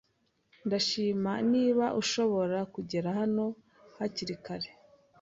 Ndabishima niba ushobora kugera hano hakiri kare.